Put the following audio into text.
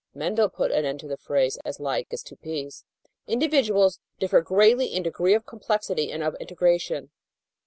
Mendel put an end to the phrase "as like as two peas." Individuals differ greatly in degree of complexity and of integration.